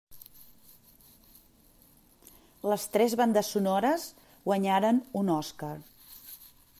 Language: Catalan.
Les tres bandes sonores guanyaren un Oscar.